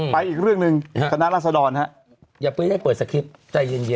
เพราะคุณแม่เป็นแบบเบบีใช่ไหมคะ